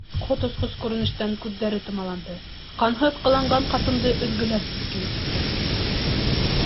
Ҡот осҡос күренештән күҙҙәре томаланды, ҡанһыҙ ҡыланған ҡатынды өҙгөләр сиккә етте.